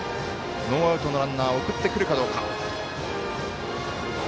ノーアウトのランナー送ってくるかどうか。